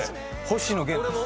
星野源です。